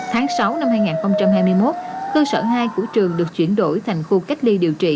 tháng sáu năm hai nghìn hai mươi một cơ sở hai của trường được chuyển đổi thành khu cách ly điều trị